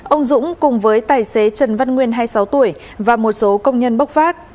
ông dũng cùng với tài xế trần văn nguyên hai mươi sáu tuổi và một số công nhân bốc vác